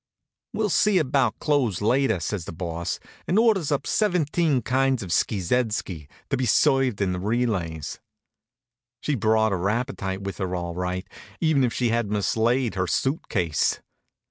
"We'll see about clothes later," says the Boss, and ordered up seventeen kinds of sckeezedsky, to be served in relays. She brought her appetite with her, all right, even if she had mislaid her suit case.